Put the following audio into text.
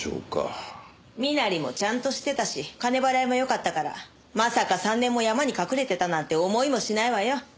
身なりもちゃんとしてたし金払いもよかったからまさか３年も山に隠れてたなんて思いもしないわよ。